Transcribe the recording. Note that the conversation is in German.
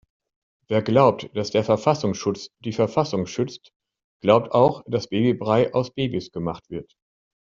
Wer glaubt, dass der Verfassungsschutz die Verfassung schützt, glaubt auch dass Babybrei aus Babys gemacht wird.